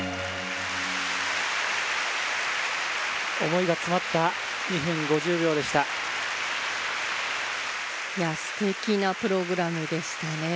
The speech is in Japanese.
思いが詰まった２分５０秒でしたすてきなプログラムでしたね